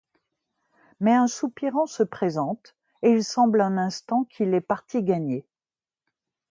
Mais un soupirant se présente et il semble un instant qu'il est partie gagnée…